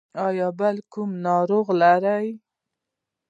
ایا بله کومه ناروغي لرئ؟